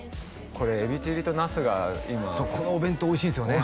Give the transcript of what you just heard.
これエビチリとナスが今このお弁当おいしいんですよね